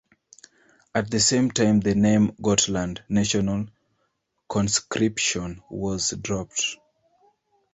At the same time the name Gotland National Conscription was dropped.